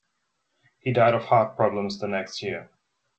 He died of heart problems the next year.